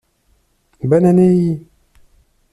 Bonne année.